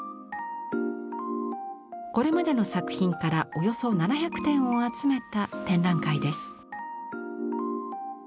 これまでの作品からおよそ７００点を集めた展覧会です。